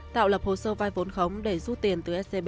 tạo lập hồ sơ vai vốn khống để rút tiền từ scb